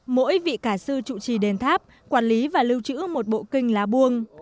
mỗi vị cả sư trụ trì đền tháp quản lý và lưu trữ một bộ kinh lá buông